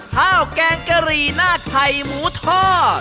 แกงกะหรี่หน้าไข่หมูทอด